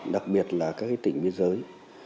đặc biệt là các tỉnh biên giới